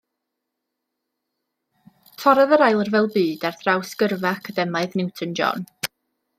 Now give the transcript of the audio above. Torrodd yr Ail Ryfel Byd ar draws gyrfa academaidd Newton-John.